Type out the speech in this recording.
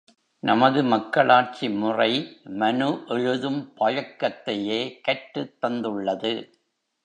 நமது மக்களாட்சிமுறை மனு எழுதும் பழக்கத்தையே கற்றுத் தந்துள்ளது.